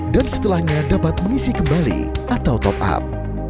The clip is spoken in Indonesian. dan setelahnya dapat mengisi kembali atau top up